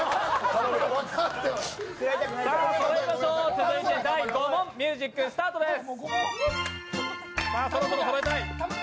続いて第５問、ミュージックスタートです。